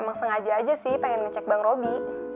emang sengaja aja sih pengen ngecek bang roby